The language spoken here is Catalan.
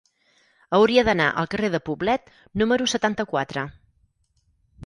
Hauria d'anar al carrer de Poblet número setanta-quatre.